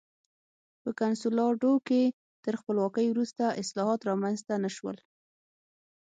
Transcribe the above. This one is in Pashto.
په کنسولاډو کې تر خپلواکۍ وروسته اصلاحات رامنځته نه شول.